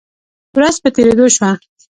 ورځ په تیریدو شوه